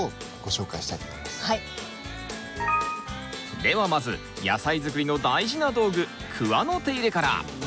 ではまず野菜作りの大事な道具クワの手入れから！